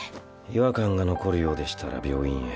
違和感が残るようでしたら病院へ。